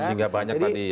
sehingga banyak tadi ya